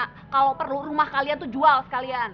mbak kalau perlu rumah kalian tuh jual sekalian